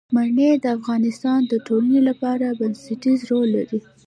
منی د افغانستان د ټولنې لپاره بنسټيز رول لري.